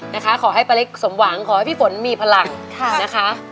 นะคะขอให้ป้าเล็กสมหวังขอให้พี่ฝนมีพลังนะคะ